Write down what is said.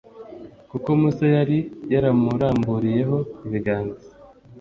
kuko musa yari yaramuramburiyeho ibiganza.